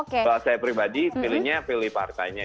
kalau saya pribadi pilihnya pilih partainya